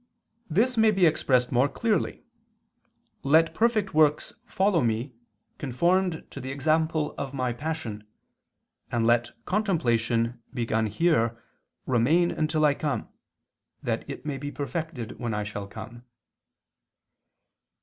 "This may be expressed more clearly: Let perfect works follow Me conformed to the example of My passion, and let contemplation begun here remain until I come, that it may be perfected when I shall come."